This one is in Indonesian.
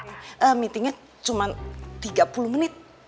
eh meetingnya cuma tiga puluh menit